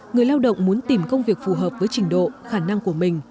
người lao động muốn tìm công việc phù hợp với trình độ khả năng của mình